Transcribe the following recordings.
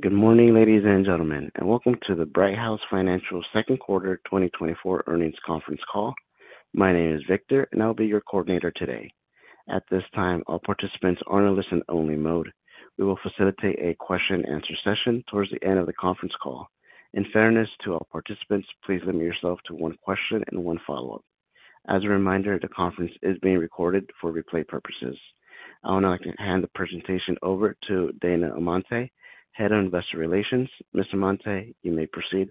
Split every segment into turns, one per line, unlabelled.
Good morning, ladies and gentlemen, and welcome to the Brighthouse Financial Second Quarter 2024 Earnings Conference Call. My name is Victor, and I'll be your coordinator today. At this time, all participants are in a listen-only mode. We will facilitate a question-and-answer session towards the end of the conference call. In fairness to all participants, please limit yourself to one question and one follow-up. As a reminder, the conference is being recorded for replay purposes. I'll now hand the presentation over to Dana Amante, Head of Investor Relations. Ms. Amante, you may proceed.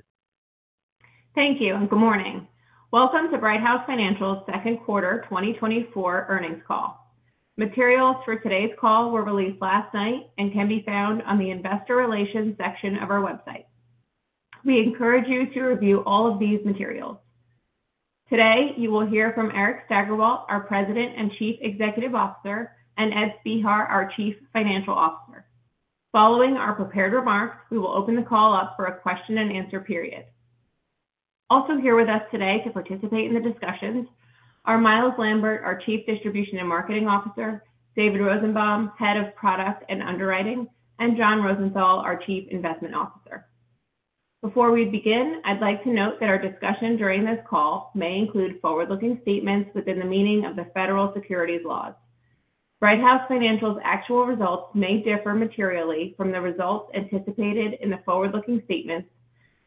Thank you. Good morning. Welcome to Brighthouse Financial Second Quarter 2024 Earnings Call. Materials for today's call were released last night and can be found on the Investor Relations section of our website. We encourage you to review all of these materials. Today, you will hear from Eric Steigerwalt, our President and Chief Executive Officer, and Ed Spehar, our Chief Financial Officer. Following our prepared remarks, we will open the call up for a question-and-answer period. Also here with us today to participate in the discussion are Myles Lambert, our Chief Distribution and Marketing Officer; David Rosenbaum, Head of Product and Underwriting; and John Rosenthal, our Chief Investment Officer. Before we begin, I'd like to note that our discussion during this call may include forward-looking statements within the meaning of the federal securities laws. Brighthouse Financial's actual results may differ materially from the results anticipated in the forward-looking statements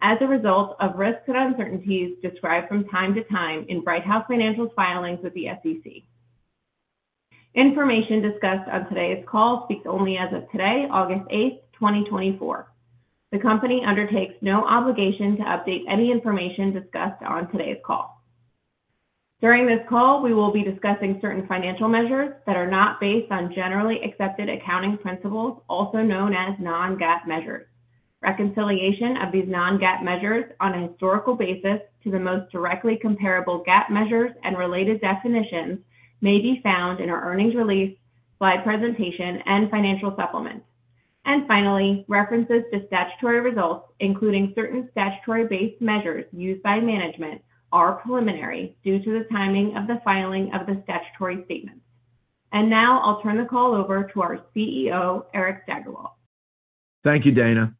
as a result of risks and uncertainties described from time to time in Brighthouse Financial's filings with the SEC. Information discussed on today's call speaks only as of today, August 8, 2024. The company undertakes no obligation to update any information discussed on today's call. During this call, we will be discussing certain financial measures that are not based on generally accepted accounting principles, also known as non-GAAP measures. Reconciliation of these non-GAAP measures on a historical basis to the most directly comparable GAAP measures and related definitions may be found in our earnings release, slide presentation, and financial supplement. Finally, references to statutory results, including certain statutory-based measures used by management, are preliminary due to the timing of the filing of the statutory statement. Now I'll turn the call over to our CEO, Eric Steigerwalt.
Thank you, Dana.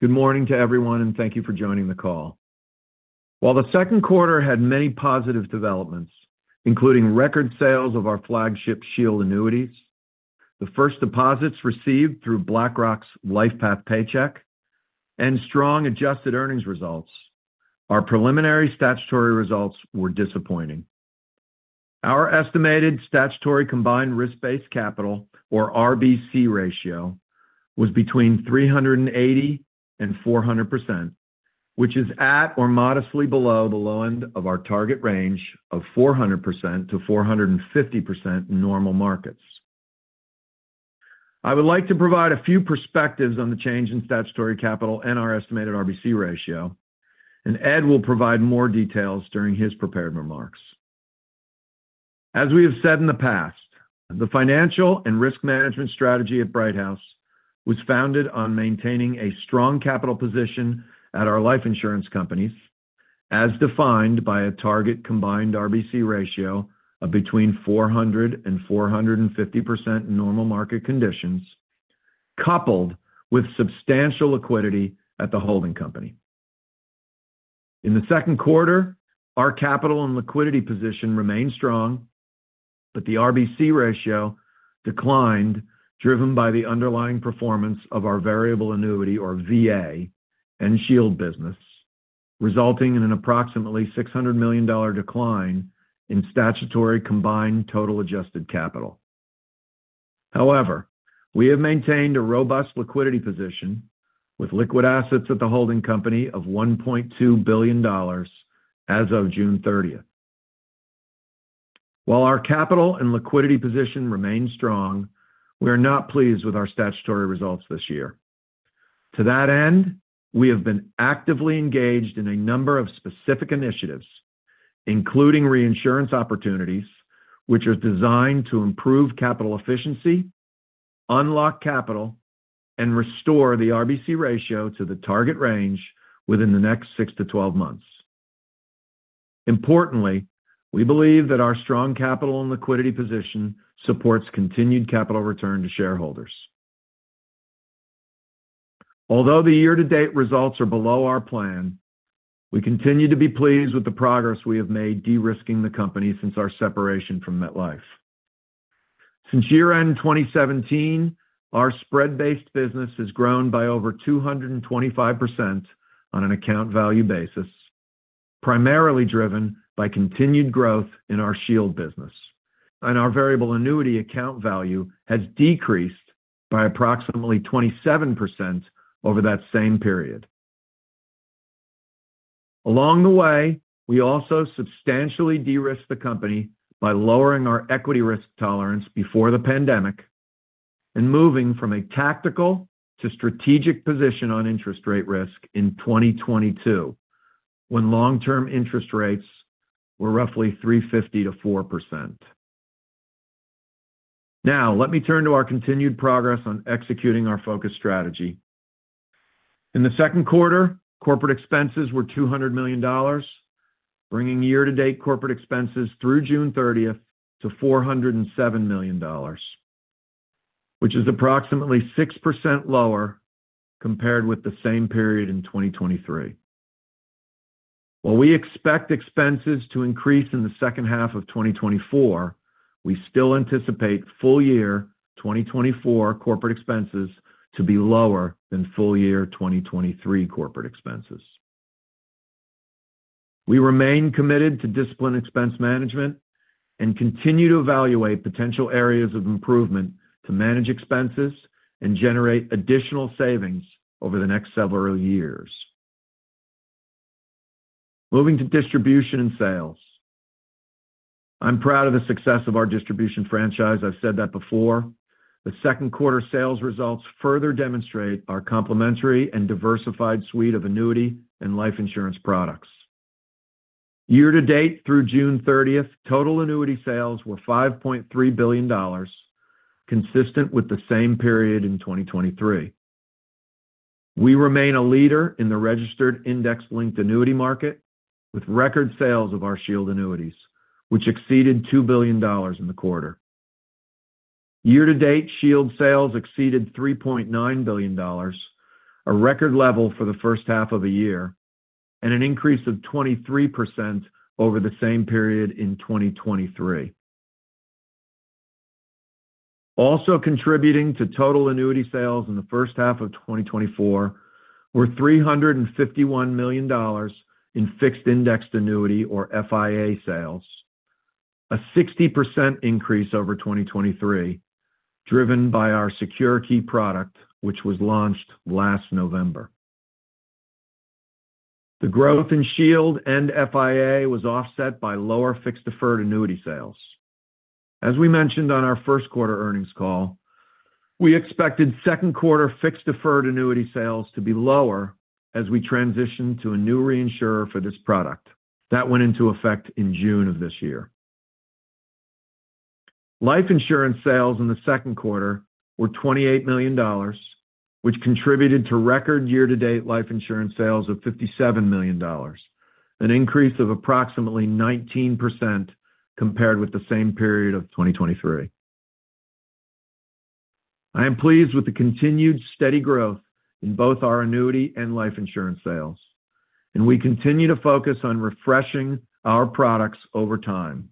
Good morning to everyone, and thank you for joining the call. While the second quarter had many positive developments, including record sales of our flagship Shield annuities, the first deposits received through BlackRock's LifePath Paycheck, and strong adjusted earnings results, our preliminary statutory results were disappointing. Our estimated statutory combined risk-based capital, or RBC ratio, was between 380% and 400%, which is at or modestly below the low end of our target range of 400%-450% normal markets. I would like to provide a few perspectives on the change in statutory capital and our estimated RBC ratio, and Ed will provide more details during his prepared remarks. As we have said in the past, the financial and risk management strategy at Brighthouse was founded on maintaining a strong capital position at our life insurance companies, as defined by a target combined RBC ratio of between 400% and 450% normal market conditions, coupled with substantial liquidity at the holding company. In the second quarter, our capital and liquidity position remained strong, but the RBC ratio declined, driven by the underlying performance of our variable annuity, or VA, and Shield business, resulting in an approximately $600 million decline in statutory combined total adjusted capital. However, we have maintained a robust liquidity position with liquid assets at the holding company of $1.2 billion as of June 30. While our capital and liquidity position remained strong, we are not pleased with our statutory results this year. To that end, we have been actively engaged in a number of specific initiatives, including reinsurance opportunities, which are designed to improve capital efficiency, unlock capital, and restore the RBC ratio to the target range within the next 6-12 months. Importantly, we believe that our strong capital and liquidity position supports continued capital return to shareholders. Although the year-to-date results are below our plan, we continue to be pleased with the progress we have made de-risking the company since our separation from MetLife. Since year-end 2017, our spread-based business has grown by over 225% on an account value basis, primarily driven by continued growth in our Shield business, and our variable annuity account value has decreased by approximately 27% over that same period. Along the way, we also substantially de-risked the company by lowering our equity risk tolerance before the pandemic and moving from a tactical to strategic position on interest rate risk in 2022, when long-term interest rates were roughly 3.50%-4%. Now, let me turn to our continued progress on executing our focus strategy. In the second quarter, corporate expenses were $200 million, bringing year-to-date corporate expenses through June 30th to $407 million, which is approximately 6% lower compared with the same period in 2023. While we expect expenses to increase in the second half of 2024, we still anticipate full-year 2024 corporate expenses to be lower than full-year 2023 corporate expenses. We remain committed to disciplined expense management and continue to evaluate potential areas of improvement to manage expenses and generate additional savings over the next several years. Moving to distribution and sales. I'm proud of the success of our distribution franchise. I've said that before. The second quarter sales results further demonstrate our complementary and diversified suite of annuity and life insurance products. Year-to-date through June 30th, total annuity sales were $5.3 billion, consistent with the same period in 2023. We remain a leader in the registered index-linked annuity market with record sales of our Shield annuities, which exceeded $2 billion in the quarter. Year-to-date Shield sales exceeded $3.9 billion, a record level for the first half of a year, and an increase of 23% over the same period in 2023. Also contributing to total annuity sales in the first half of 2024 were $351 million in fixed indexed annuity, or FIA, sales, a 60% increase over 2023, driven by our SecureKey product, which was launched last November. The growth in Shield and FIA was offset by lower fixed-deferred annuity sales. As we mentioned on our first quarter earnings call, we expected second quarter fixed-deferred annuity sales to be lower as we transitioned to a new reinsurer for this product that went into effect in June of this year. Life insurance sales in the second quarter were $28 million, which contributed to record year-to-date life insurance sales of $57 million, an increase of approximately 19% compared with the same period of 2023. I am pleased with the continued steady growth in both our annuity and life insurance sales, and we continue to focus on refreshing our products over time.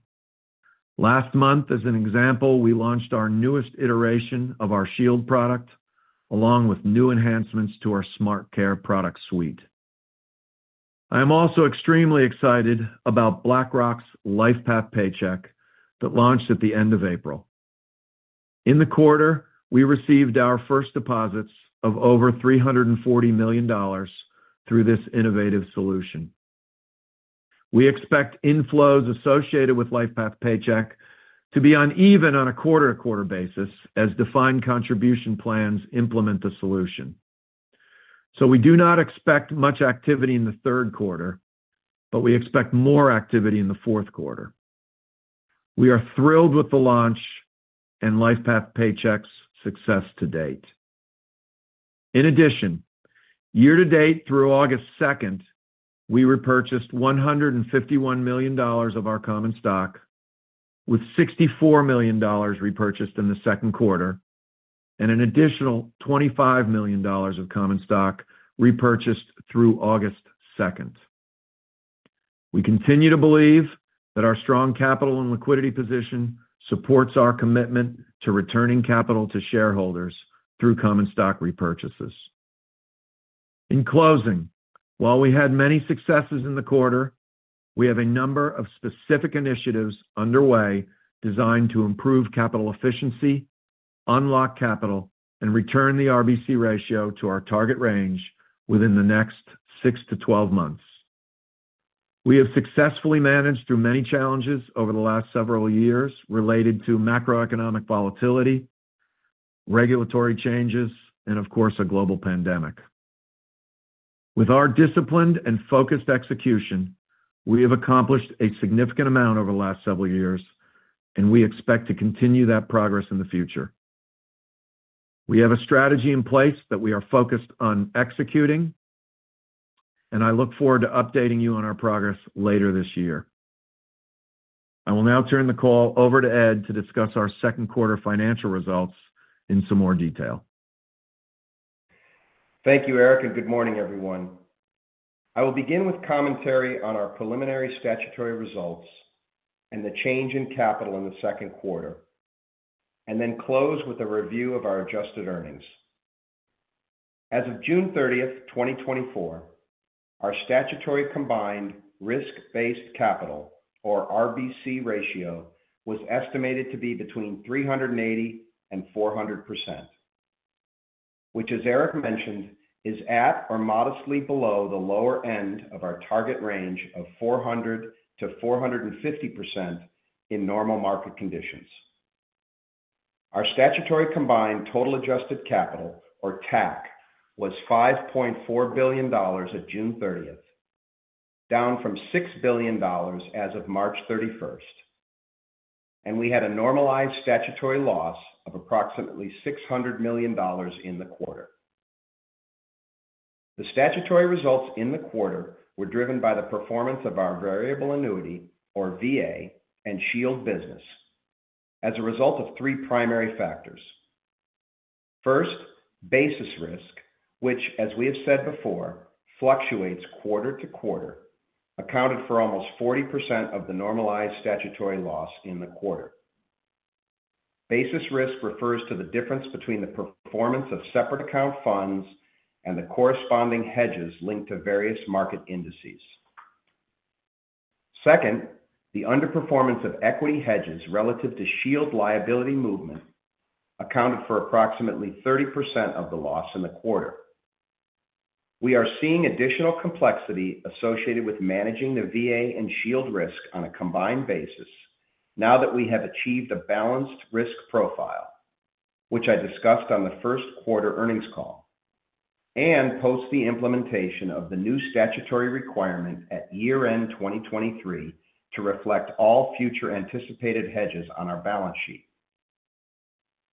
Last month, as an example, we launched our newest iteration of our Shield product, along with new enhancements to our SmartCare product suite. I am also extremely excited about BlackRock's LifePath Paycheck that launched at the end of April. In the quarter, we received our first deposits of over $340 million through this innovative solution. We expect inflows associated with LifePath Paycheck to be uneven on a quarter-to-quarter basis as defined contribution plans implement the solution. So we do not expect much activity in the third quarter, but we expect more activity in the fourth quarter. We are thrilled with the launch and LifePath Paycheck's success to date. In addition, year-to-date through August 2nd, we repurchased $151 million of our common stock, with $64 million repurchased in the second quarter, and an additional $25 million of common stock repurchased through August 2nd. We continue to believe that our strong capital and liquidity position supports our commitment to returning capital to shareholders through common stock repurchases. In closing, while we had many successes in the quarter, we have a number of specific initiatives underway designed to improve capital efficiency, unlock capital, and return the RBC ratio to our target range within the next 6-12 months. We have successfully managed through many challenges over the last several years related to macroeconomic volatility, regulatory changes, and, of course, a global pandemic. With our disciplined and focused execution, we have accomplished a significant amount over the last several years, and we expect to continue that progress in the future. We have a strategy in place that we are focused on executing, and I look forward to updating you on our progress later this year. I will now turn the call over to Ed to discuss our second quarter financial results in some more detail.
Thank you, Eric, and good morning, everyone. I will begin with commentary on our preliminary statutory results and the change in capital in the second quarter, and then close with a review of our adjusted earnings. As of June 30th, 2024, our statutory combined risk-based capital, or RBC ratio, was estimated to be between 380% and 400%, which, as Eric mentioned, is at or modestly below the lower end of our target range of 400%-450% in normal market conditions. Our statutory combined total adjusted capital, or TAC, was $5.4 billion at June 30th, down from $6 billion as of March 31st, and we had a normalized statutory loss of approximately $600 million in the quarter. The statutory results in the quarter were driven by the performance of our variable annuity, or VA, and Shield business as a result of three primary factors. First, basis risk, which, as we have said before, fluctuates quarter to quarter, accounted for almost 40% of the normalized statutory loss in the quarter. Basis risk refers to the difference between the performance of separate account funds and the corresponding hedges linked to various market indices. Second, the underperformance of equity hedges relative to Shield liability movement accounted for approximately 30% of the loss in the quarter. We are seeing additional complexity associated with managing the VA and Shield risk on a combined basis now that we have achieved a balanced risk profile, which I discussed on the first quarter earnings call, and post the implementation of the new statutory requirement at year-end 2023 to reflect all future anticipated hedges on our balance sheet.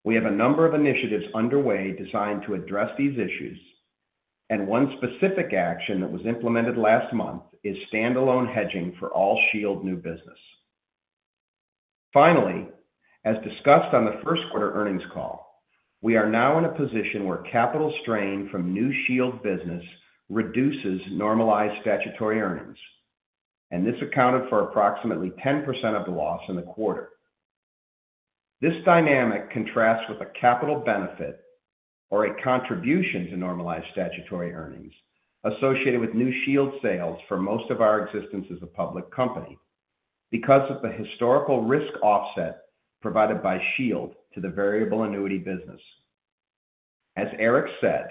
We have a number of initiatives underway designed to address these issues, and one specific action that was implemented last month is standalone hedging for all Shield new business. Finally, as discussed on the first quarter earnings call, we are now in a position where capital strain from new Shield business reduces normalized statutory earnings, and this accounted for approximately 10% of the loss in the quarter. This dynamic contrasts with a capital benefit, or a contribution to normalized statutory earnings, associated with new Shield sales for most of our existence as a public company because of the historical risk offset provided by Shield to the variable annuity business. As Eric said,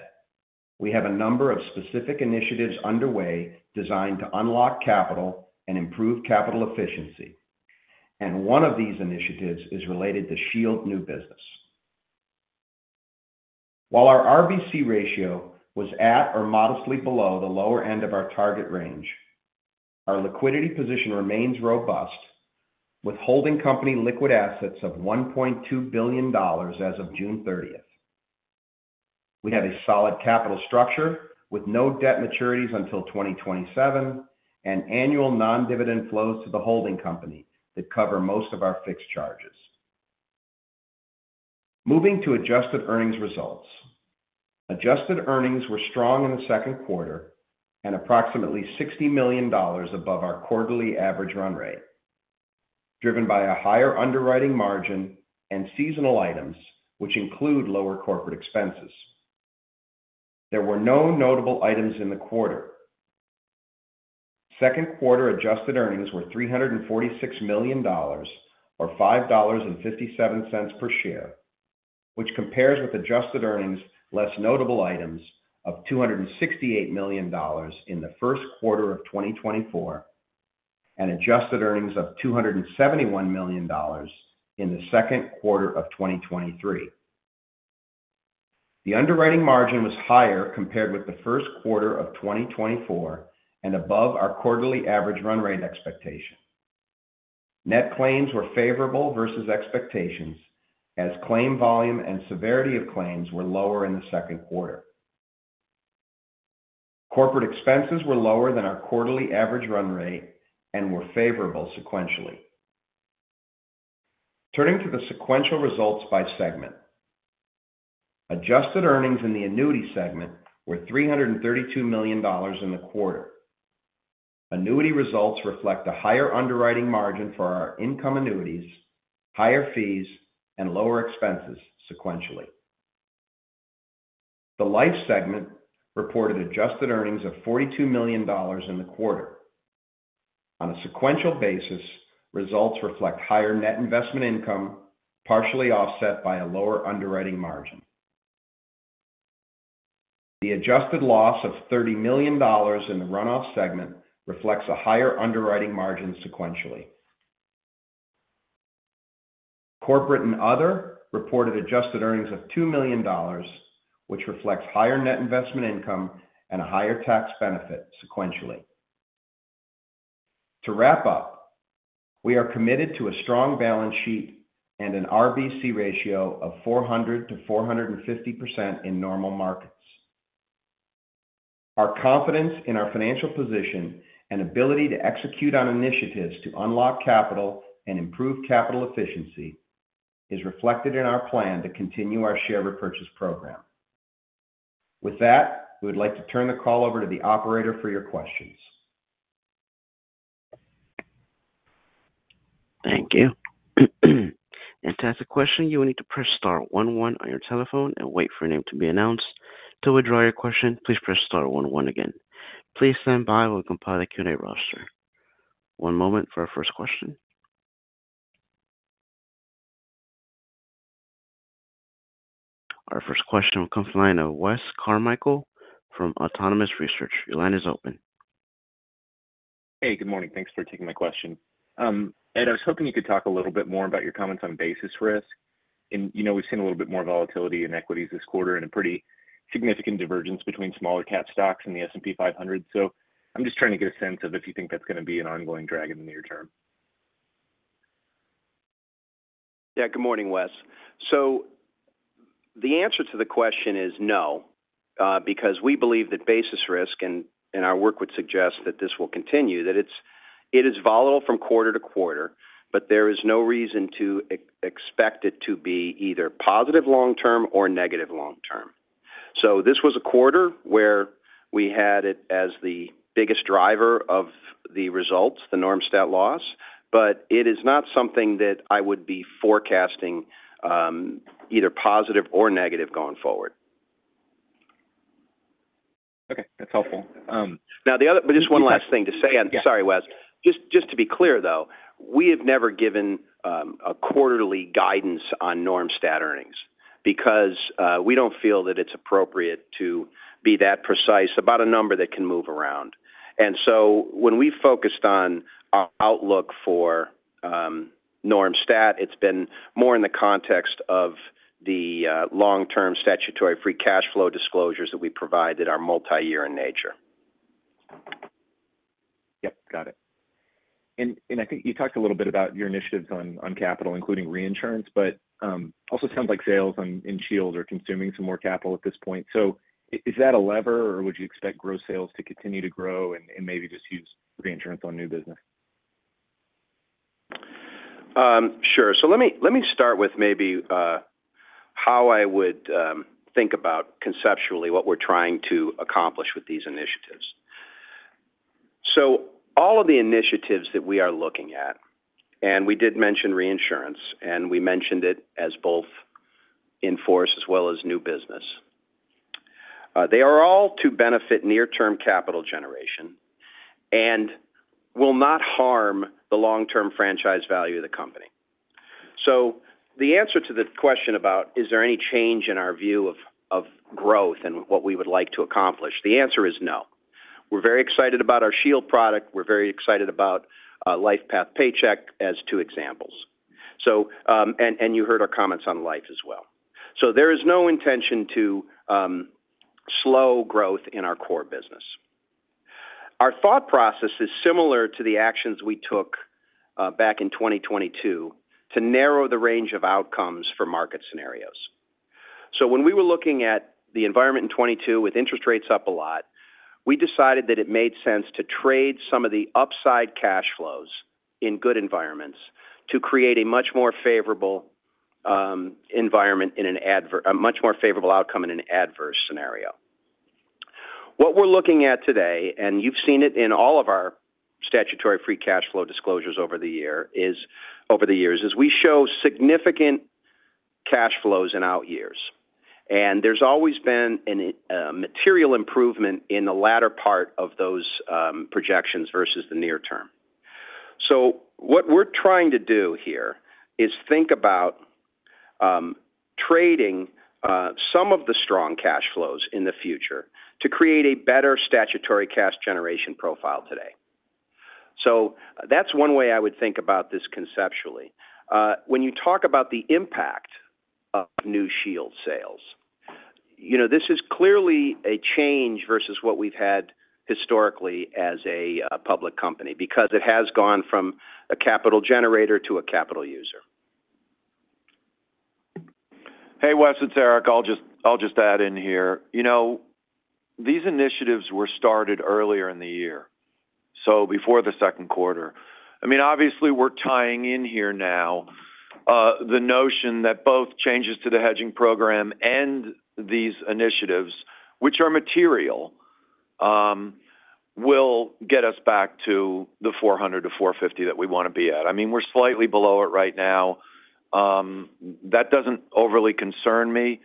we have a number of specific initiatives underway designed to unlock capital and improve capital efficiency, and one of these initiatives is related to Shield new business. While our RBC ratio was at or modestly below the lower end of our target range, our liquidity position remains robust with holding company liquid assets of $1.2 billion as of June 30th. We have a solid capital structure with no debt maturities until 2027 and annual non-dividend flows to the holding company that cover most of our fixed charges. Moving to adjusted earnings results, adjusted earnings were strong in the second quarter and approximately $60 million above our quarterly average run rate, driven by a higher underwriting margin and seasonal items, which include lower corporate expenses. There were no notable items in the quarter. Second quarter adjusted earnings were $346 million, or $5.57 per share, which compares with adjusted earnings less notable items of $268 million in the first quarter of 2024 and adjusted earnings of $271 million in the second quarter of 2023. The underwriting margin was higher compared with the first quarter of 2024 and above our quarterly average run rate expectation. Net claims were favorable versus expectations as claim volume and severity of claims were lower in the second quarter. Corporate expenses were lower than our quarterly average run rate and were favorable sequentially. Turning to the sequential results by segment. Adjusted earnings in the annuity segment were $332 million in the quarter. Annuity results reflect a higher underwriting margin for our income annuities, higher fees, and lower expenses sequentially. The life segment reported adjusted earnings of $42 million in the quarter. On a sequential basis, results reflect higher net investment income partially offset by a lower underwriting margin. The adjusted loss of $30 million in the runoff segment reflects a higher underwriting margin sequentially. Corporate and other reported adjusted earnings of $2 million, which reflects higher net investment income and a higher tax benefit sequentially. To wrap up, we are committed to a strong balance sheet and an RBC ratio of 400%-450% in normal markets. Our confidence in our financial position and ability to execute on initiatives to unlock capital and improve capital efficiency is reflected in our plan to continue our share repurchase program. With that, we would like to turn the call over to the operator for your questions.
Thank you. And to ask a question, you will need to press star 11 on your telephone and wait for your name to be announced. To withdraw your question, please press star 11 again. Please stand by while we compile the Q&A roster. One moment for our first question. Our first question will come from the line of Wes Carmichael from Autonomous Research. Your line is open.
Hey, good morning. Thanks for taking my question. Ed, I was hoping you could talk a little bit more about your comments on basis risk. And you know we've seen a little bit more volatility in equities this quarter and a pretty significant divergence between smaller cap stocks and the S&P 500. So I'm just trying to get a sense of if you think that's going to be an ongoing drag in the near term.
Yeah, good morning, Wes. So the answer to the question is no, because we believe that basis risk, and our work would suggest that this will continue, that it is volatile from quarter to quarter, but there is no reason to expect it to be either positive long-term or negative long-term. So this was a quarter where we had it as the biggest driver of the results, the norm stat loss, but it is not something that I would be forecasting either positive or negative going forward.
Okay, that's helpful.
Now, the other just one last thing to say, and sorry, Wes. Just to be clear, though, we have never given a quarterly guidance on norm stat earnings because we don't feel that it's appropriate to be that precise about a number that can move around. And so when we focused on our outlook for norm stat, it's been more in the context of the long-term statutory free cash flow disclosures that we provide that are multi-year in nature.
Yep, got it. I think you talked a little bit about your initiatives on capital, including reinsurance, but also it sounds like sales in Shield are consuming some more capital at this point. So is that a lever, or would you expect gross sales to continue to grow and maybe just use reinsurance on new business?
Sure. So let me start with maybe how I would think about conceptually what we're trying to accomplish with these initiatives. So all of the initiatives that we are looking at, and we did mention reinsurance, and we mentioned it as both in force as well as new business, they are all to benefit near-term capital generation and will not harm the long-term franchise value of the company. So the answer to the question about is there any change in our view of growth and what we would like to accomplish, the answer is no. We're very excited about our Shield product. We're very excited about LifePath Paycheck as two examples. You heard our comments on Life as well. There is no intention to slow growth in our core business. Our thought process is similar to the actions we took back in 2022 to narrow the range of outcomes for market scenarios. When we were looking at the environment in 2022 with interest rates up a lot, we decided that it made sense to trade some of the upside cash flows in good environments to create a much more favorable environment in a much more favorable outcome in an adverse scenario. What we're looking at today, and you've seen it in all of our statutory free cash flow disclosures over the years, is we show significant cash flows in out years. There's always been a material improvement in the latter part of those projections versus the near term. So what we're trying to do here is think about trading some of the strong cash flows in the future to create a better statutory cash generation profile today. So that's one way I would think about this conceptually. When you talk about the impact of new Shield sales, you know this is clearly a change versus what we've had historically as a public company because it has gone from a capital generator to a capital user.
Hey, Wes, it's Eric. I'll just add in here. You know these initiatives were started earlier in the year, so before the second quarter. I mean, obviously, we're tying in here now the notion that both changes to the hedging program and these initiatives, which are material, will get us back to the 400%-450% that we want to be at. I mean, we're slightly below it right now. That doesn't overly concern me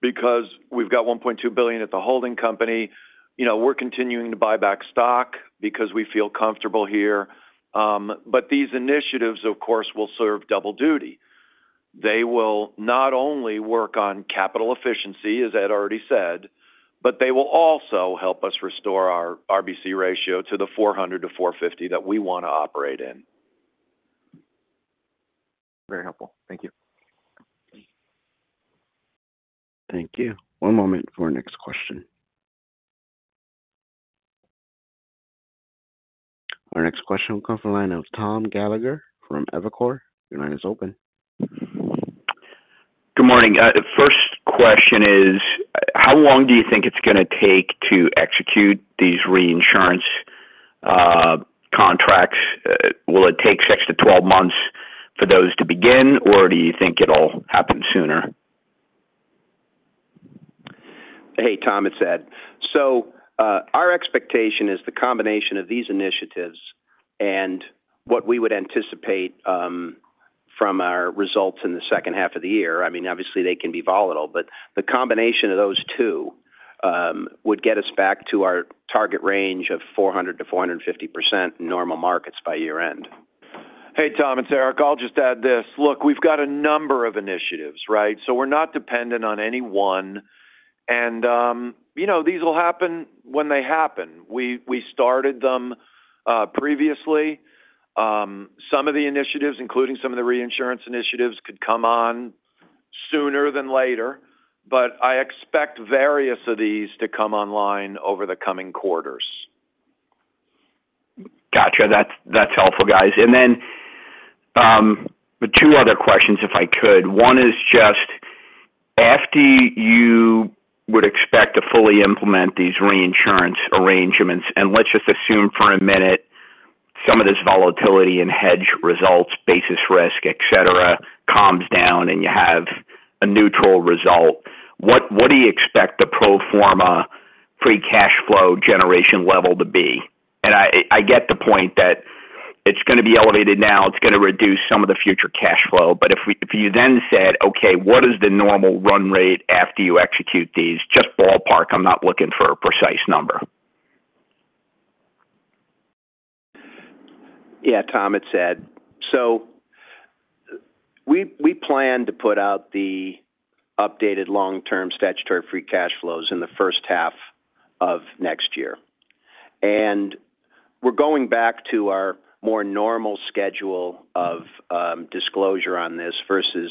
because we've got $1.2 billion at the holding company. You know we're continuing to buy back stock because we feel comfortable here. But these initiatives, of course, will serve double duty. They will not only work on capital efficiency, as Ed already said, but they will also help us restore our RBC ratio to the 400%-450% that we want to operate in.
Very helpful. Thank you.
Thank you. One moment for our next question. Our next question will come from the line of Tom Gallagher from Evercore. Your line is open.
Good morning. First question is, how long do you think it's going to take to execute these reinsurance contracts? Will it take 6-12 months for those to begin, or do you think it'll happen sooner?
Hey, Tom, it's Ed. So our expectation is the combination of these initiatives and what we would anticipate from our results in the second half of the year. I mean, obviously, they can be volatile, but the combination of those two would get us back to our target range of 400%-450% in normal markets by year-end.
Hey, Tom, it's Eric. I'll just add this. Look, we've got a number of initiatives, right? So we're not dependent on any one. And you know these will happen when they happen. We started them previously. Some of the initiatives, including some of the reinsurance initiatives, could come on sooner than later, but I expect various of these to come online over the coming quarters.
Gotcha. That's helpful, guys. And then two other questions, if I could. One is just, after you would expect to fully implement these reinsurance arrangements, and let's just assume for a minute some of this volatility in hedge results, basis risk, et cetera, calms down and you have a neutral result, what do you expect the pro forma free cash flow generation level to be? And I get the point that it's going to be elevated now. It's going to reduce some of the future cash flow. But if you then said, "Okay, what is the normal run rate after you execute these?" Just ballpark. I'm not looking for a precise number.
Yeah, Tom, it's Ed. So we plan to put out the updated long-term statutory free cash flows in the first half of next year. And we're going back to our more normal schedule of disclosure on this versus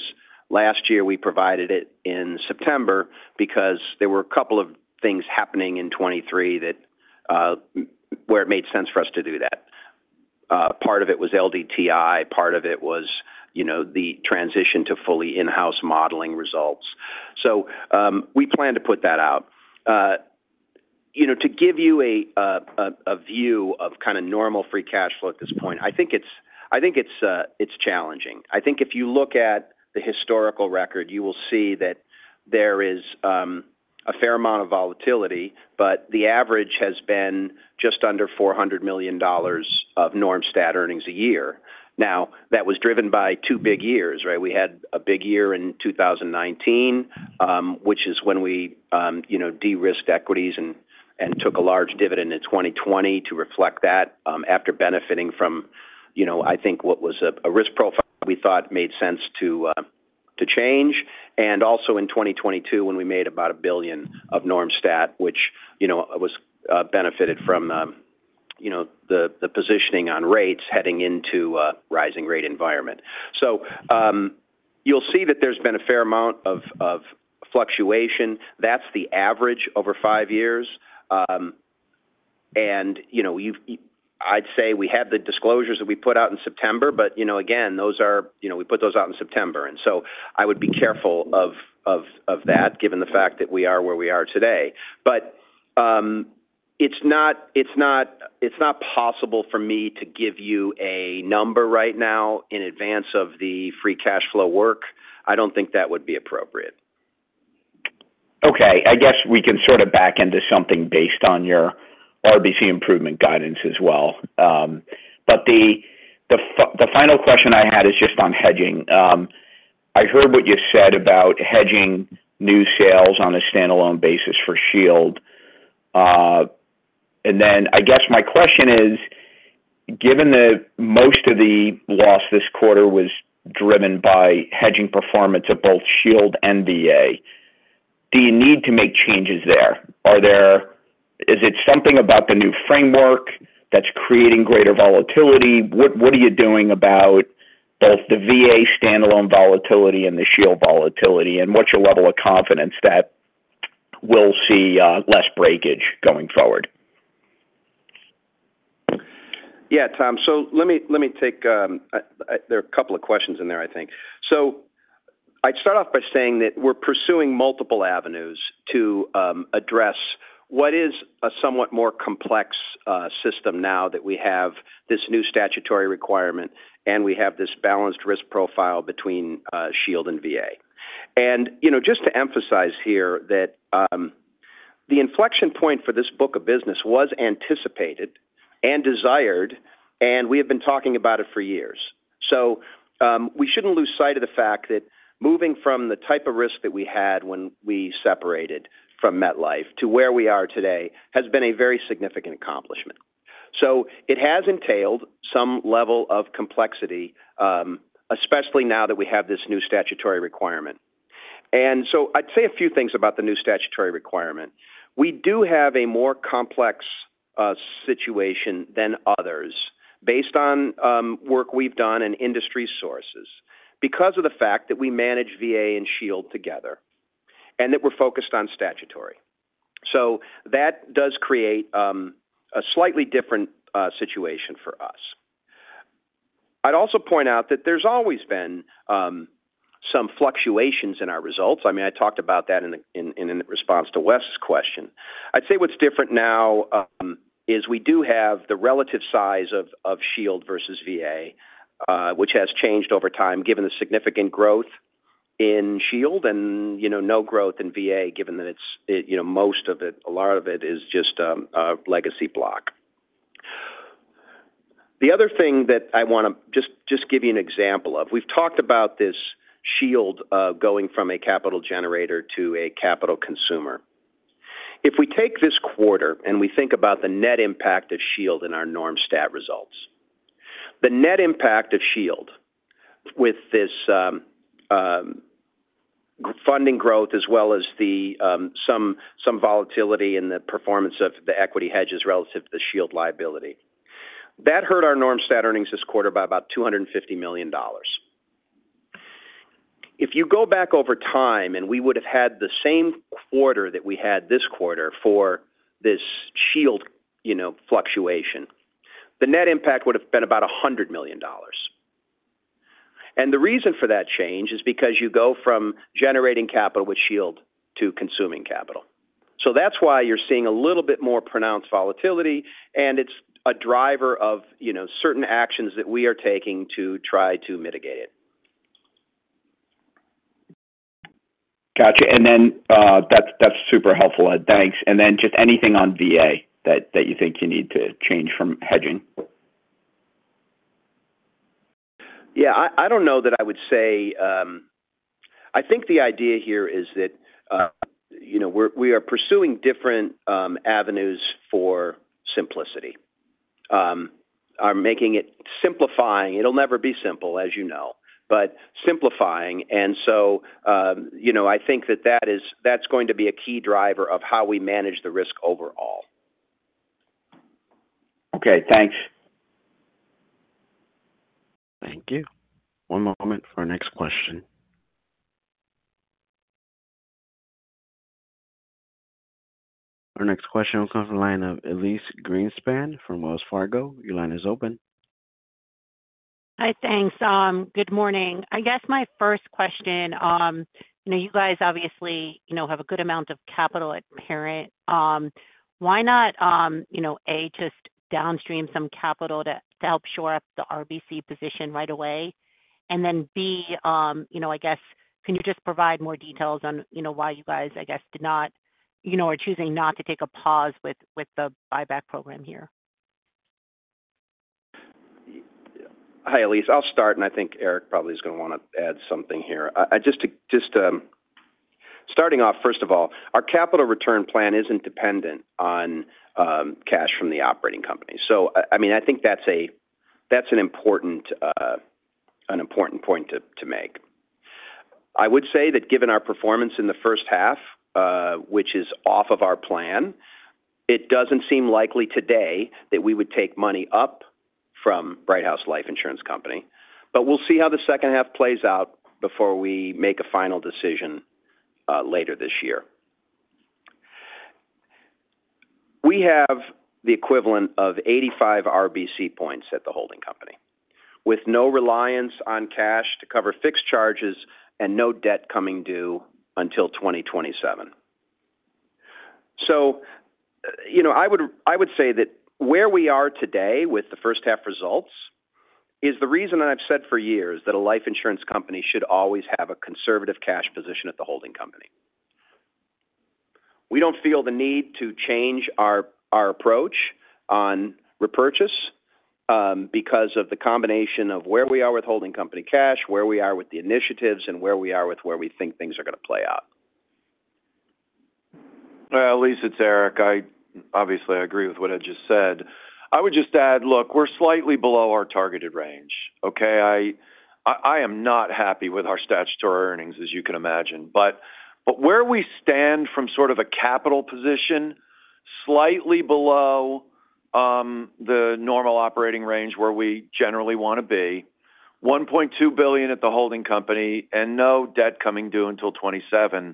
last year we provided it in September because there were a couple of things happening in 2023 where it made sense for us to do that. Part of it was LDTI. Part of it was, you know, the transition to fully in-house modeling results. So we plan to put that out. You know, to give you a view of kind of normal free cash flow at this point, I think it's challenging. I think if you look at the historical record, you will see that there is a fair amount of volatility, but the average has been just under $400 million of norm stat earnings a year. Now, that was driven by two big years, right? We had a big year in 2019, which is when we de-risked equities and took a large dividend in 2020 to reflect that after benefiting from, you know, I think what was a risk profile we thought made sense to change. And also in 2022, when we made about $1 billion of norm stat, which, you know, was benefited from, you know, the positioning on rates heading into a rising rate environment. So you'll see that there's been a fair amount of fluctuation. That's the average over five years. And, you know, I'd say we have the disclosures that we put out in September, but, you know, again, those are, you know, we put those out in September. And so I would be careful of that given the fact that we are where we are today. But it's not possible for me to give you a number right now in advance of the free cash flow work. I don't think that would be appropriate.
Okay. I guess we can sort of back into something based on your RBC improvement guidance as well. But the final question I had is just on hedging. I heard what you said about hedging new sales on a standalone basis for Shield. And then I guess my question is, given that most of the loss this quarter was driven by hedging performance of both Shield and VA, do you need to make changes there? Is it something about the new framework that's creating greater volatility? What are you doing about both the VA standalone volatility and the Shield volatility? And what's your level of confidence that we'll see less breakage going forward?
Yeah, Tom. So let me take that there are a couple of questions in there, I think. So I'd start off by saying that we're pursuing multiple avenues to address what is a somewhat more complex system now that we have this new statutory requirement and we have this balanced risk profile between Shield and VA. And, you know, just to emphasize here that the inflection point for this book of business was anticipated and desired, and we have been talking about it for years. So we shouldn't lose sight of the fact that moving from the type of risk that we had when we separated from MetLife to where we are today has been a very significant accomplishment. So it has entailed some level of complexity, especially now that we have this new statutory requirement. And so I'd say a few things about the new statutory requirement. We do have a more complex situation than others based on work we've done in industry sources because of the fact that we manage VA and Shield together and that we're focused on statutory. So that does create a slightly different situation for us. I'd also point out that there's always been some fluctuations in our results. I mean, I talked about that in response to Wes' question. I'd say what's different now is we do have the relative size of Shield versus VA, which has changed over time given the significant growth in Shield and, you know, no growth in VA given that it's, you know, most of it, a lot of it is just a legacy block. The other thing that I want to just give you an example of, we've talked about this Shield going from a capital generator to a capital consumer. If we take this quarter and we think about the net impact of Shield in our norm stat results, the net impact of Shield with this funding growth as well as some volatility in the performance of the equity hedges relative to the Shield liability, that hurt our norm stat earnings this quarter by about $250 million. If you go back over time and we would have had the same quarter that we had this quarter for this Shield, you know, fluctuation, the net impact would have been about $100 million. And the reason for that change is because you go from generating capital with Shield to consuming capital. So that's why you're seeing a little bit more pronounced volatility, and it's a driver of, you know, certain actions that we are taking to try to mitigate it.
Gotcha. And then that's super helpful. Thanks. And then just anything on VA that you think you need to change from hedging?
Yeah, I don't know that I would say. I think the idea here is that, you know, we are pursuing different avenues for simplicity. I'm making it simplifying. It'll never be simple, as you know, but simplifying. And so, you know, I think that that's going to be a key driver of how we manage the risk overall.
Okay, thanks.
Thank you. One moment for our next question. Our next question will come from the line of Elyse Greenspan from Wells Fargo. Your line is open.
Hi, thanks. Good morning. I guess my first question, you know, you guys obviously, you know, have a good amount of capital at parent. Why not, you know, A, just downstream some capital to help shore up the RBC position right away? And then B, you know, I guess, can you just provide more details on, you know, why you guys, I guess, did not, you know, are choosing not to take a pause with the buyback program here?
Hi, Elyse. I'll start, and I think Eric probably is going to want to add something here. Just starting off, first of all, our capital return plan isn't dependent on cash from the operating company. So, I mean, I think that's an important point to make. I would say that given our performance in the first half, which is off of our plan, it doesn't seem likely today that we would take money up from Brighthouse Life Insurance Company. But we'll see how the second half plays out before we make a final decision later this year. We have the equivalent of 85 RBC points at the holding company with no reliance on cash to cover fixed charges and no debt coming due until 2027. So, you know, I would say that where we are today with the first half results is the reason I've said for years that a life insurance company should always have a conservative cash position at the holding company. We don't feel the need to change our approach on repurchase because of the combination of where we are with holding company cash, where we are with the initiatives, and where we are with where we think things are going to play out.
Elyse, it's Eric. I obviously agree with what Ed just said. I would just add, look, we're slightly below our targeted range, okay? I am not happy with our statutory earnings, as you can imagine. But where we stand from sort of a capital position slightly below the normal operating range where we generally want to be, $1.2 billion at the holding company and no debt coming due until 2027,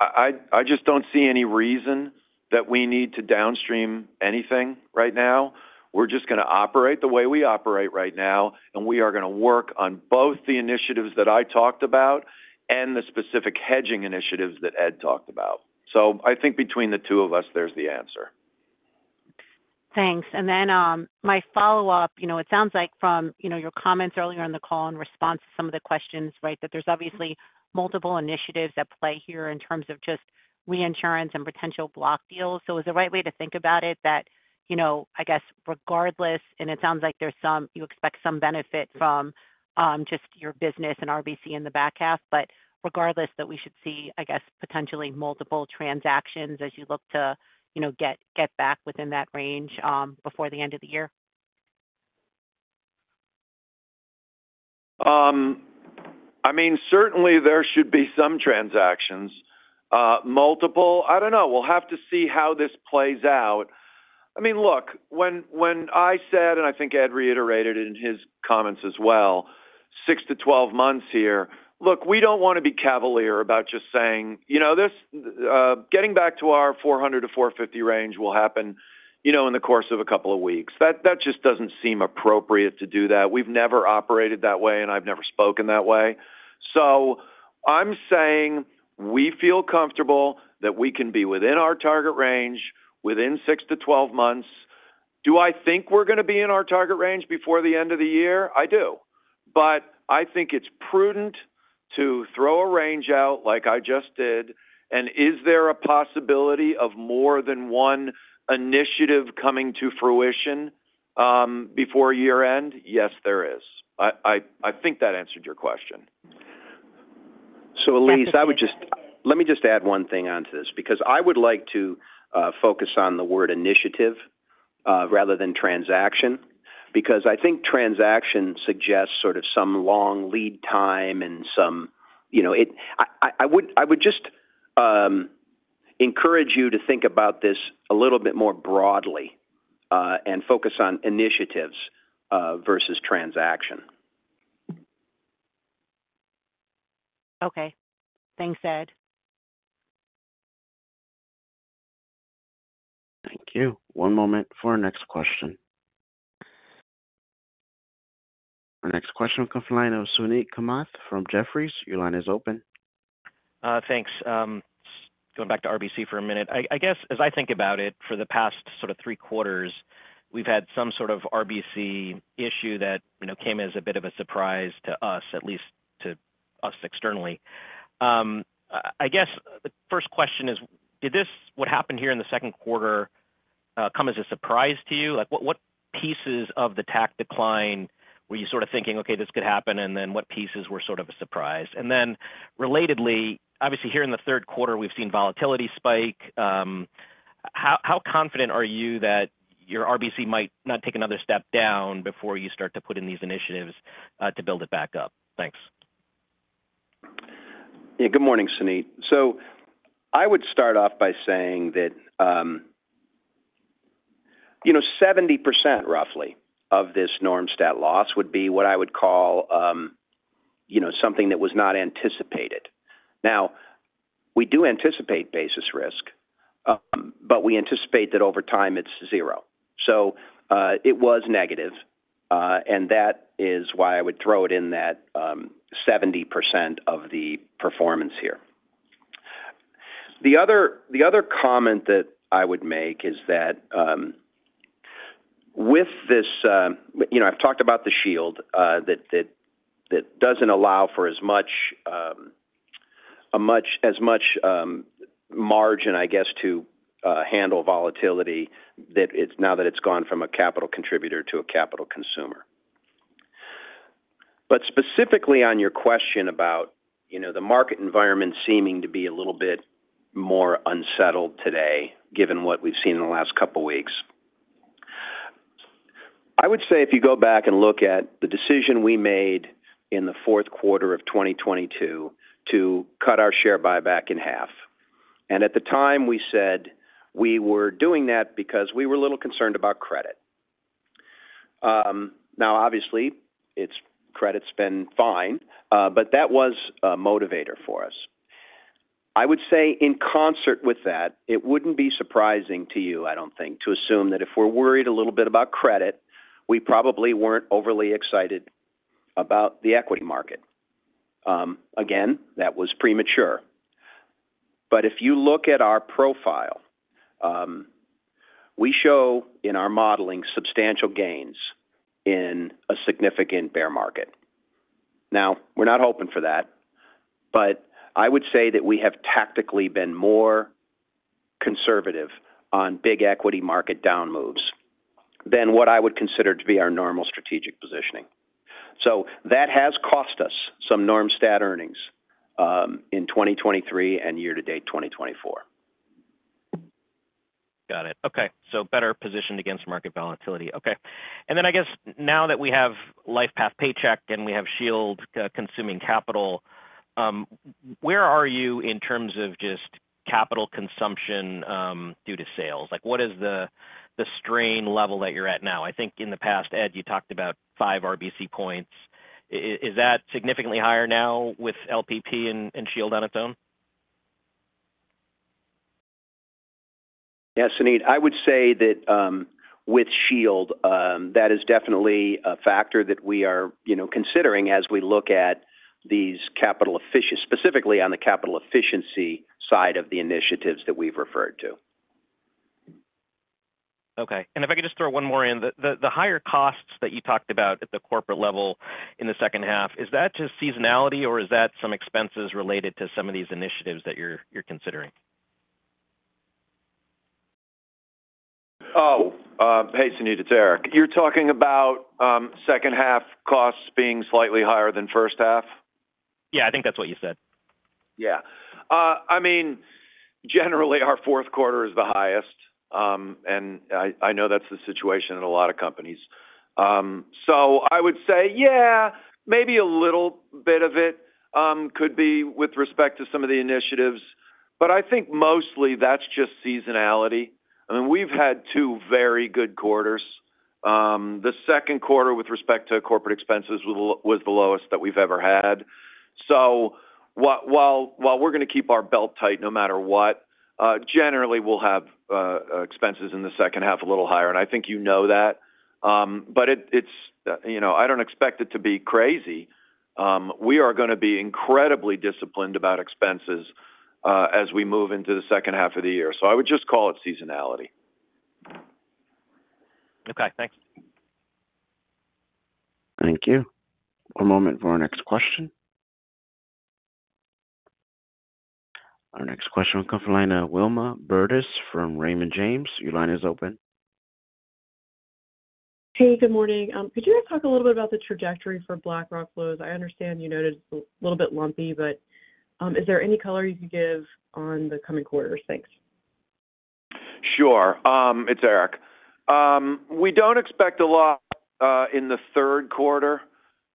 I just don't see any reason that we need to downstream anything right now. We're just going to operate the way we operate right now, and we are going to work on both the initiatives that I talked about and the specific hedging initiatives that Ed talked about. So I think between the two of us, there's the answer.
Thanks. And then my follow-up, you know, it sounds like from, you know, your comments earlier on the call in response to some of the questions, right, that there's obviously multiple initiatives at play here in terms of just reinsurance and potential block deals. So is the right way to think about it that, you know, I guess regardless, and it sounds like there's some, you expect some benefit from just your business and RBC in the back half, but regardless that we should see, I guess, potentially multiple transactions as you look to, you know, get back within that range before the end of the year?
I mean, certainly there should be some transactions. Multiple? I don't know. We'll have to see how this plays out. I mean, look, when I said, and I think Ed reiterated in his comments as well, 6-12 months here, look, we don't want to be cavalier about just saying, you know, getting back to our 400%-450% range will happen, you know, in the course of a couple of weeks. That just doesn't seem appropriate to do that. We've never operated that way, and I've never spoken that way. So I'm saying we feel comfortable that we can be within our target range within 6-12 months. Do I think we're going to be in our target range before the end of the year? I do. But I think it's prudent to throw a range out like I just did. And is there a possibility of more than one initiative coming to fruition before year-end? Yes, there is. I think that answered your question.
So, Elyse, I would just, let me just add one thing onto this because I would like to focus on the word initiative rather than transaction because I think transaction suggests sort of some long lead time and some, you know, I would just encourage you to think about this a little bit more broadly and focus on initiatives versus transaction.
Okay. Thanks, Ed.
Thank you. One moment for our next question. Our next question will come from the line of Suneet Kamath from Jefferies. Your line is open.
Thanks. Going back to RBC for a minute. I guess as I think about it, for the past sort of three quarters, we've had some sort of RBC issue that, you know, came as a bit of a surprise to us, at least to us externally. I guess the first question is, did this, what happened here in the second quarter, come as a surprise to you? Like what pieces of the TAC decline were you sort of thinking, okay, this could happen, and then what pieces were sort of a surprise? And then relatedly, obviously here in the third quarter, we've seen volatility spike. How confident are you that your RBC might not take another step down before you start to put in these initiatives to build it back up? Thanks.
Yeah, good morning, Suneet. So I would start off by saying that, you know, 70% roughly of this norm stat loss would be what I would call, you know, something that was not anticipated. Now, we do anticipate basis risk, but we anticipate that over time it's zero. So it was negative, and that is why I would throw it in that 70% of the performance here. The other comment that I would make is that with this, you know, I've talked about the Shield that doesn't allow for as much, as much margin, I guess, to handle volatility that it's now that it's gone from a capital contributor to a capital consumer. But specifically on your question about, you know, the market environment seeming to be a little bit more unsettled today given what we've seen in the last couple of weeks, I would say if you go back and look at the decision we made in the fourth quarter of 2022 to cut our share buyback in half. At the time we said we were doing that because we were a little concerned about credit. Now, obviously, credit's been fine, but that was a motivator for us. I would say in concert with that, it wouldn't be surprising to you, I don't think, to assume that if we're worried a little bit about credit, we probably weren't overly excited about the equity market. Again, that was premature. If you look at our profile, we show in our modeling substantial gains in a significant bear market. Now, we're not hoping for that, but I would say that we have tactically been more conservative on big equity market down moves than what I would consider to be our normal strategic positioning. So that has cost us some norm stat earnings in 2023 and year-to-date 2024.
Got it. Okay. So better positioned against market volatility. Okay. And then I guess now that we have LifePath Paycheck and we have Shield consuming capital, where are you in terms of just capital consumption due to sales? Like what is the strain level that you're at now? I think in the past, Ed, you talked about five RBC points. Is that significantly higher now with LPP and Shield on its own?
Yeah, Suneet, I would say that with Shield, that is definitely a factor that we are, you know, considering as we look at these capital efficiencies, specifically on the capital efficiency side of the initiatives that we've referred to.
Okay. And if I could just throw one more in, the higher costs that you talked about at the corporate level in the second half, is that just seasonality or is that some expenses related to some of these initiatives that you're considering?
Oh, hey, Suneet, it's Eric. You're talking about second half costs being slightly higher than first half?
Yeah, I think that's what you said.
Yeah. I mean, generally our fourth quarter is the highest, and I know that's the situation in a lot of companies. So I would say, yeah, maybe a little bit of it could be with respect to some of the initiatives, but I think mostly that's just seasonality. I mean, we've had two very good quarters. The second quarter with respect to corporate expenses was the lowest that we've ever had. So while we're going to keep our belt tight no matter what, generally we'll have expenses in the second half a little higher, and I think you know that. But it's, you know, I don't expect it to be crazy. We are going to be incredibly disciplined about expenses as we move into the second half of the year. So I would just call it seasonality.
Okay, thanks.
Thank you. One moment for our next question. Our next question will come from the line of Wilma Burdis from Raymond James. Your line is open.
Hey, good morning. Could you talk a little bit about the trajectory for BlackRock flows? I understand you noted a little bit lumpy, but is there any color you can give on the coming quarters? Thanks.
Sure. It's Eric. We don't expect a lot in the third quarter,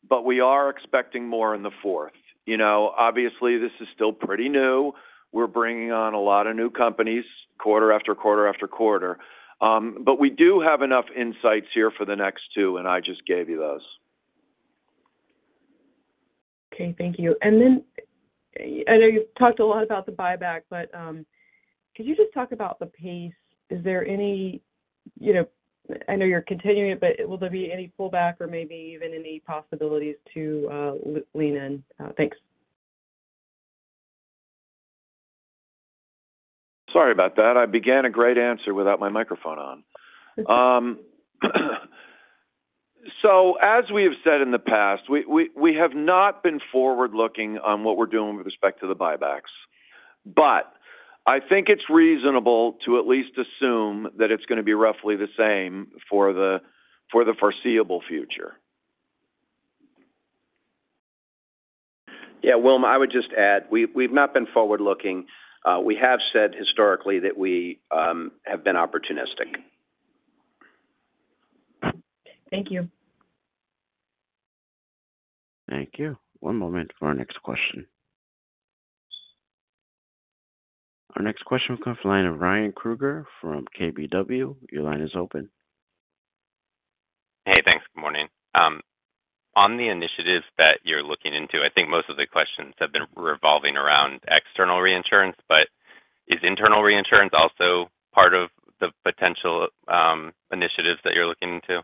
but we are expecting more in the fourth. You know, obviously this is still pretty new. We're bringing on a lot of new companies quarter after quarter after quarter. But we do have enough insights here for the next two, and I just gave you those.
Okay, thank you. And then I know you've talked a lot about the buyback, but could you just talk about the pace? Is there any, you know, I know you're continuing, but will there be any pullback or maybe even any possibilities to lean in? Thanks.
Sorry about that. I began a great answer without my microphone on. So as we have said in the past, we have not been forward-looking on what we're doing with respect to the buybacks. But I think it's reasonable to at least assume that it's going to be roughly the same for the foreseeable future.
Yeah, Wilma, I would just add we've not been forward-looking. We have said historically that we have been opportunistic.
Thank you.
Thank you. One moment for our next question. Our next question will come from the line of Ryan Krueger from KBW. Your line is open.
Hey, thanks. Good morning. On the initiatives that you're looking into, I think most of the questions have been revolving around external reinsurance, but is internal reinsurance also part of the potential initiatives that you're looking into?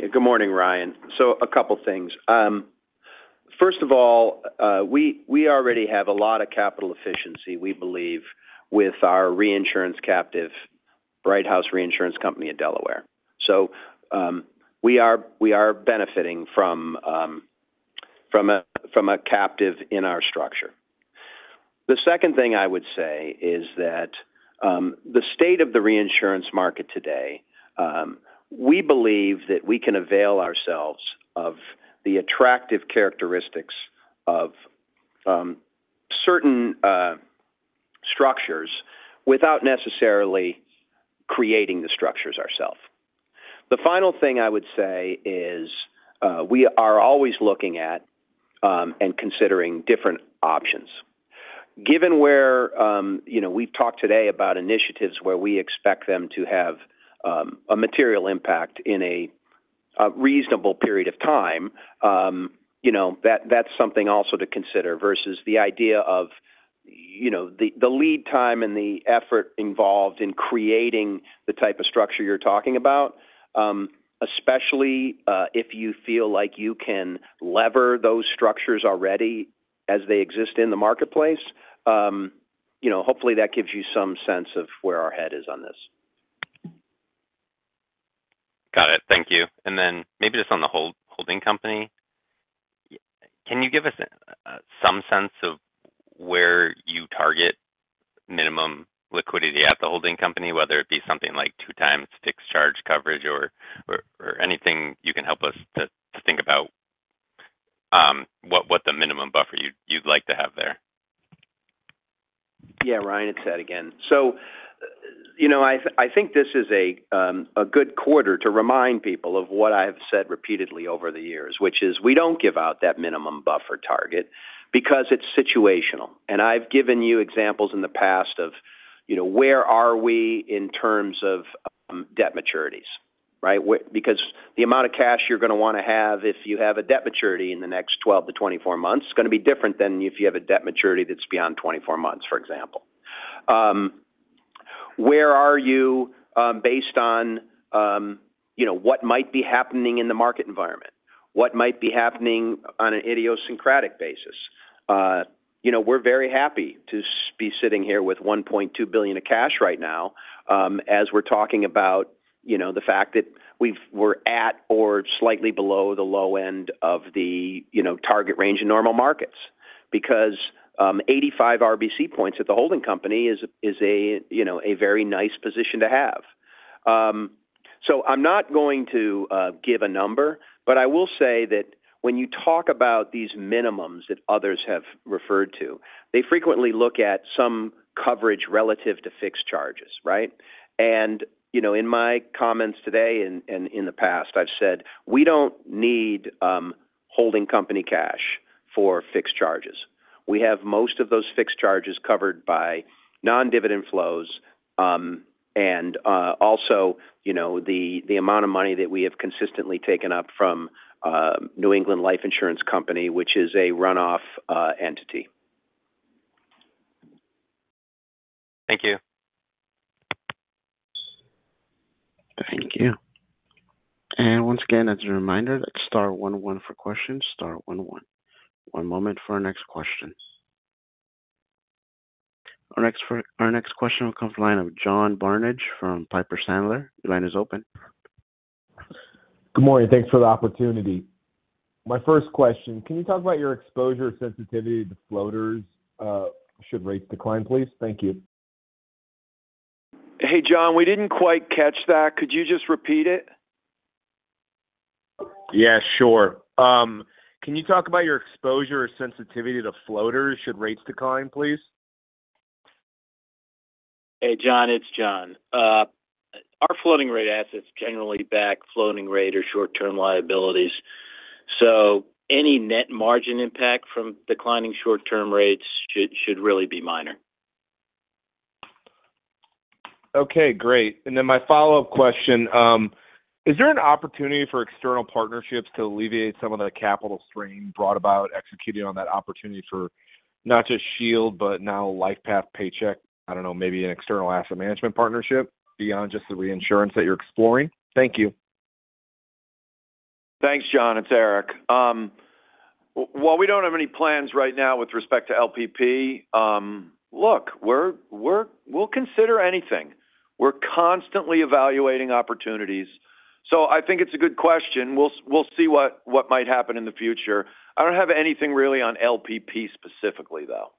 Good morning, Ryan. So a couple of things. First of all, we already have a lot of capital efficiency, we believe, with our reinsurance captive, Brighthouse Reinsurance Company in Delaware. So we are benefiting from a captive in our structure. The second thing I would say is that the state of the reinsurance market today, we believe that we can avail ourselves of the attractive characteristics of certain structures without necessarily creating the structures ourselves. The final thing I would say is we are always looking at and considering different options. Given where, you know, we've talked today about initiatives where we expect them to have a material impact in a reasonable period of time, you know, that's something also to consider versus the idea of, you know, the lead time and the effort involved in creating the type of structure you're talking about, especially if you feel like you can lever those structures already as they exist in the marketplace. You know, hopefully that gives you some sense of where our head is on this.
Got it. Thank you. And then maybe just on the holding company, can you give us some sense of where you target minimum liquidity at the holding company, whether it be something like two-time fixed charge coverage or anything you can help us to think about what the minimum buffer you'd like to have there?
Yeah, Ryan, it's Ed again. So, you know, I think this is a good quarter to remind people of what I have said repeatedly over the years, which is we don't give out that minimum buffer target because it's situational. And I've given you examples in the past of, you know, where are we in terms of debt maturities, right? Because the amount of cash you're going to want to have if you have a debt maturity in the next 12-24 months is going to be different than if you have a debt maturity that's beyond 24 months, for example. Where are you based on, you know, what might be happening in the market environment? What might be happening on an idiosyncratic basis? You know, we're very happy to be sitting here with $1.2 billion of cash right now as we're talking about, you know, the fact that we're at or slightly below the low end of the, you know, target range in normal markets because 85 RBC points at the holding company is a, you know, a very nice position to have. So I'm not going to give a number, but I will say that when you talk about these minimums that others have referred to, they frequently look at some coverage relative to fixed charges, right? And, you know, in my comments today and in the past, I've said we don't need holding company cash for fixed charges. We have most of those fixed charges covered by non-dividend flows and also, you know, the amount of money that we have consistently taken up from New England Life Insurance Company, which is a runoff entity.
Thank you.
Thank you. And once again, as a reminder, that's star 11 for questions, star 11. One moment for our next question. Our next question will come from the line of John Barnidge from Piper Sandler. Your line is open.
Good morning. Thanks for the opportunity. My first question, can you talk about your exposure sensitivity to floaters? Should rate decline, please. Thank you.
Hey, John, we didn't quite catch that. Could you just repeat it?
Yeah, sure. Can you talk about your exposure sensitivity to floaters? Should rates decline, please?
Hey, John, it's John. Our floating rate assets generally back floating rate or short-term liabilities. So any net margin impact from declining short-term rates should really be minor.
Okay, great. And then my follow-up question, is there an opportunity for external partnerships to alleviate some of the capital strain brought about executing on that opportunity for not just Shield, but now LifePath Paycheck? I don't know, maybe an external asset management partnership beyond just the reinsurance that you're exploring? Thank you.
Thanks, John. It's Eric. Well, we don't have any plans right now with respect to LPP. Look, we'll consider anything. We're constantly evaluating opportunities. So I think it's a good question. We'll see what might happen in the future. I don't have anything really on LPP specifically, though.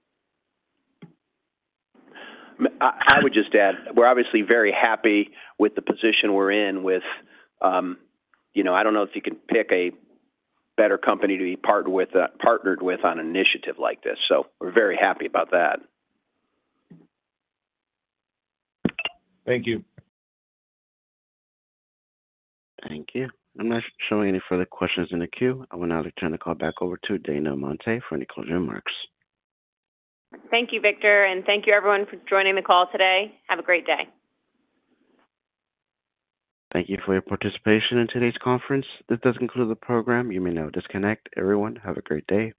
I would just add we're obviously very happy with the position we're in with, you know, I don't know if you can pick a better company to be partnered with on an initiative like this. So we're very happy about that.
Thank you.
Thank you. Unless there's any further questions in the queue, I will now turn the call back over to Dana Amante for any closing remarks.
Thank you, Victor, and thank you everyone for joining the call today. Have a great day.
Thank you for your participation in today's conference. If this doesn't include the program, you may now disconnect. Everyone, have a great day.